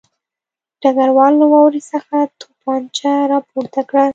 ډګروال له واورې څخه توپانچه راپورته کړه